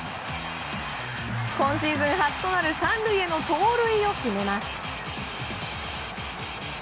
今シーズン初となる３塁への盗塁を決めます。